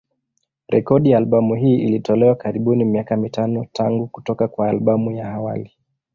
Rekodi ya albamu hii ilitolewa karibuni miaka mitano tangu kutoka kwa albamu ya awali.